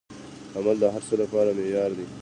عمل د هر څه معیار دی.